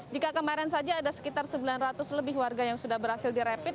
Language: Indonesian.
jika kemarin saja ada sekitar sembilan ratus lebih warga yang sudah berhasil direpit